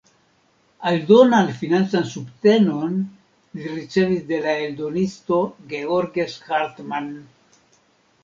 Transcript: Aldonan financan subtenon li ricevis de la eldonisto "Georges Hartmann".